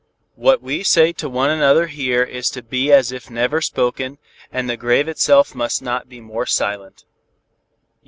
What we say to one another here is to be as if never spoken, and the grave itself must not be more silent.